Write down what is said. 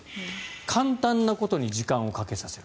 簡単なことに時間をかけさせる。